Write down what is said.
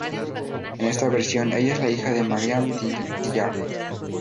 En esta versión, ella es la hija de Mariah Dillard.